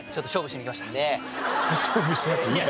勝負しなくていいから。